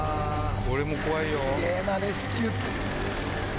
すげぇなレスキューって。